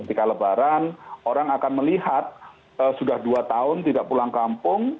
ketika lebaran orang akan melihat sudah dua tahun tidak pulang kampung